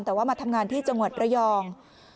แต่ว่ามาทำงานที่จังหวัดระยอง